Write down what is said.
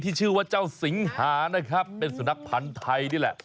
ชื่อว่าเจ้าสิงหานะครับเป็นสุนัขพันธ์ไทยนี่แหละ